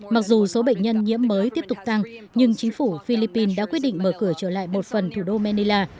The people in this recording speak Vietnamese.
mặc dù số bệnh nhân nhiễm mới tiếp tục tăng nhưng chính phủ philippines đã quyết định mở cửa trở lại một phần thủ đô manila